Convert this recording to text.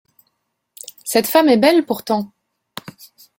Cette femme est belle pourtant!